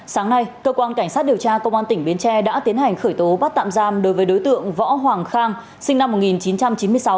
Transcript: sáng nay cơ quan cảnh sát điều tra công an tỉnh bến tre đã tiến hành khởi tố bắt tạm giam đối với đối tượng võ hoàng khang sinh năm một nghìn chín trăm chín mươi sáu